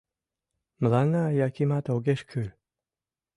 Мыланна Якимат огеш кӱл!